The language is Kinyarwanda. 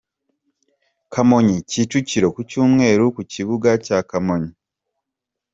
Kamonyi-Kicukiro : Ku cyumweru ku kibuga cya Kamonyi.